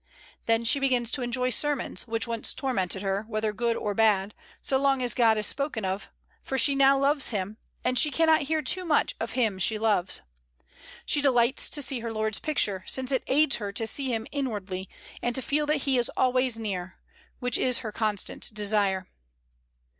Then she begins to enjoy sermons, which once tormented her, whether good or bad, so long as God is spoken of, for she now loves Him; and she cannot hear too much of Him she loves. She delights to see her Lord's picture, since it aids her to see Him inwardly, and to feel that He is always near her, which is her constant desire.